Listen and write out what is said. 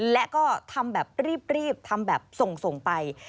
และก็ทำแบบรีบทำแบบส่งไป